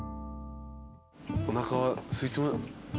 おなかはすいてます？